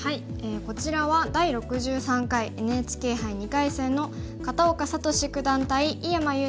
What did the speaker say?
こちらは第６３回ＮＨＫ杯２回戦の片岡聡九段対井山裕太